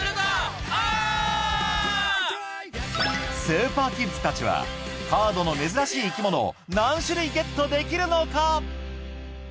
スーパーキッズたちはカードの珍しい生き物を何種類ゲットできるのか？